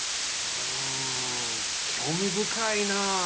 うん興味深いな。